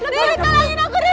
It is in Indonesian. riri tolongin aku